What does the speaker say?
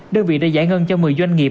đơn vị đã giải ngân cho một mươi doanh nghiệp